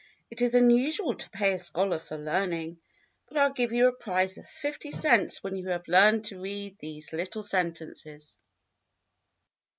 It is unusual to pay a scholar for learning, but I '11 give you a prize of fifty cents when you have learned to read these little sen tences."